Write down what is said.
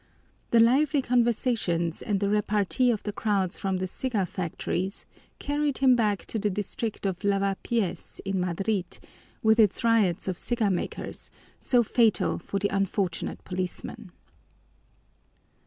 The lively conversations and the repartee of the crowds from the cigar factories carried him back to the district of Lavapiés in Madrid, with its riots of cigar makers, so fatal for the unfortunate policemen.